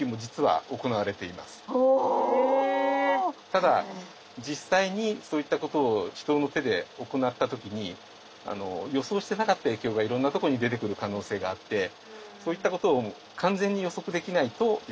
ただ実際にそういったことを人の手で行った時に予想してなかった影響がいろんなとこに出てくる可能性があってそういったことを完全に予測できないとできないですね。